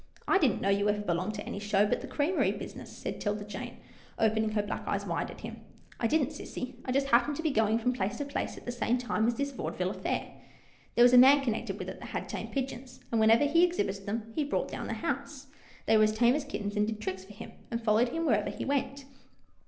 " I didn't know you ever belonged to any show, but the creamery business," said 'Tilda Jane, open ing her black eyes wide at him. " I didn't, sissy. I just happened to be going from place to place at the same time as this vaude ville affair. There was a man connected with it that had tame pigeons, and, whenever he exhibited them, he brought down the house. They were as tame as kittens, and did tricks for him, and followed him wherever he went."